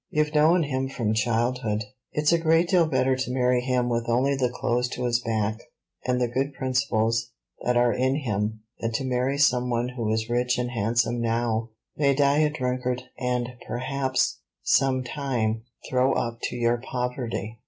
You've known him from childhood. It's a great deal better to marry him with only the clothes to his back, and the good principles that are in him, than to marry some one who is rich and handsome now, may die a drunkard, and perhaps, some time, throw up to your poverty."